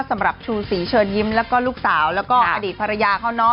สำหรับชูศรีเชิญยิ้มแล้วก็ลูกสาวแล้วก็อดีตภรรยาเขาเนาะ